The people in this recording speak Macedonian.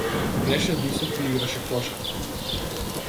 Беше висок и играше кошарка.